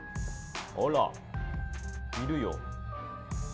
あら、いるよ。